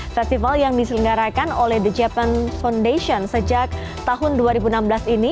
festival yang diselenggarakan oleh the japan foundation sejak tahun dua ribu enam belas ini